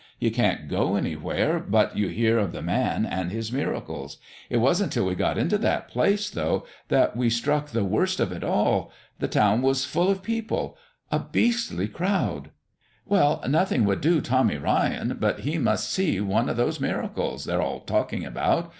You can't go anywhere but you hear of the Man and His miracles. It wasn't till we got to that place, though, that we struck the worst of it all. The town was full of people a beastly crowd. "Well, nothing would do Tommy Ryan but he must see one of those miracles they're all talking about.